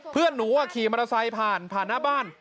เพื่อนหนูขี่มอเตอร์ไซค์ผ่านผ่านหน้าบ้าน